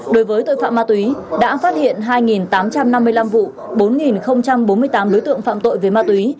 đối với tội phạm ma túy đã phát hiện hai tám trăm năm mươi năm vụ bốn bốn mươi tám đối tượng phạm tội về ma túy